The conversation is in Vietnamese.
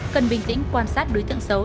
cần bình tĩnh quan sát đối tượng xấu